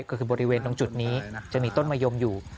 ก็คือบริเวณตรงจุดนี้จะมีต้นมะยมอยู่